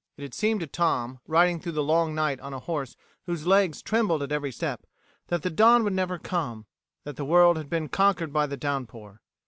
It had seemed to Tom, riding through the long night on a horse whose legs trembled at every step, that the dawn would never come; that the world had been conquered by the downpour.